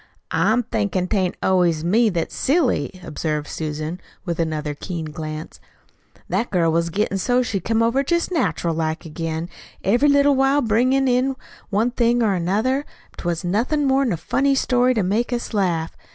"I'm thinkin' tain't always me that's silly," observed Susan, with another keen glance. "That girl was gettin' so she come over jest natural like again, every little while, bringin' in one thing or another, if 'twas nothin' more'n a funny story to make us laugh.